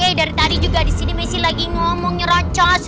eh dari tadi juga disini messi lagi ngomong nyeracas